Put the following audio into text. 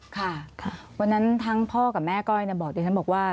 ค่ะวันนั้นทั้งพ่อกับแม่ก้อยบอกดิฉันบอกว่า